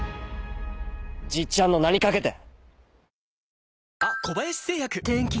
じっちゃんの名にかけて！